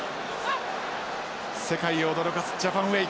世界を驚かすジャパンウェー。